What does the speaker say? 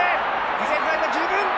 犠牲フライは十分。